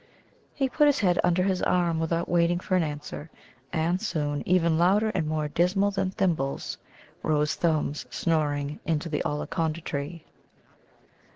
He put his head under his arm without waiting for an answer; and soon, even louder and more dismal than Thimble's, rose Thumb's snoring into the Ollaconda tree.